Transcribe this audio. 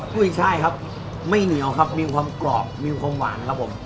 กุ้ยช่ายครับไม่เหนียวครับมีความกรอบมีความหวานครับผม